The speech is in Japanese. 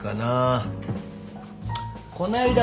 こないだ